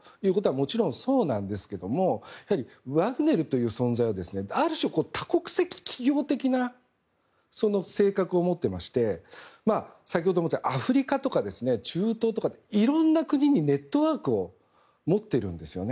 もちろんそうなんですがワグネルという存在はある種、多国籍企業的な性格を持っていましてアフリカとか中東とかいろんな国にネットワークを持っているんですよね。